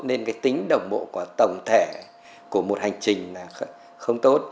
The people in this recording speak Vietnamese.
nên cái tính đồng bộ của tổng thể của một hành trình là không tốt